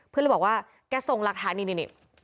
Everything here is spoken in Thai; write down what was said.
เลยบอกว่าแกส่งหลักฐานนี่